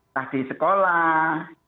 pas di sekolah